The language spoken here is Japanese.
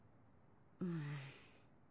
うん。